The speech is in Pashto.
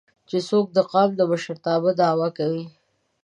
چې څوک د قام د مشرتابه دعوه کوي